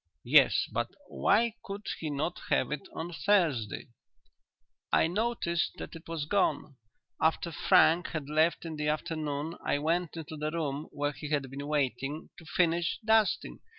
"Yes, but why could he not have it on Thursday?" "I noticed that it was gone. After Frank had left in the afternoon I went into the room where he had been waiting, to finish dusting.